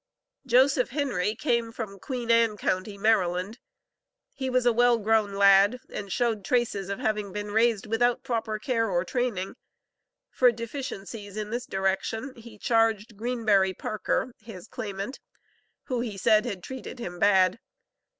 Joseph Henry came from Queen Ann county, Maryland. He was a well grown lad, and showed traces of having been raised without proper care, or training. For deficiencies in this direction, he charged Greenberry Parker, his claimant, who he said had treated him "bad."